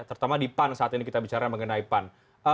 terutama di pan saat ini kita bicara mengenai pan